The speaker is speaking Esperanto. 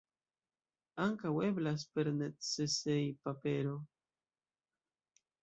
Ankaŭ eblas per necesejpapero!